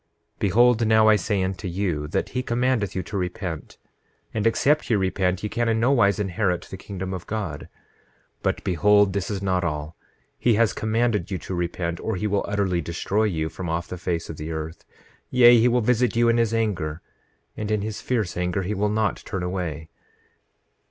9:12 Behold, now I say unto you that he commandeth you to repent; and except ye repent, ye can in nowise inherit the kingdom of God. But behold, this is not all—he has commanded you to repent, or he will utterly destroy you from off the face of the earth; yea, he will visit you in his anger, and in his fierce anger he will not turn away.